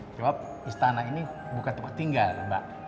sebab istana ini bukan tempat tinggal mbak